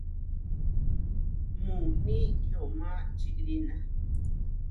Muuní yomá čiʼrína.